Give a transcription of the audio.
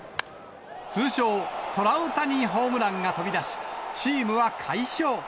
通称、トラウタニホームランが飛び出し、チームは快勝。